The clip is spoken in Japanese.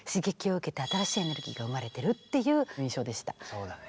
そうだね。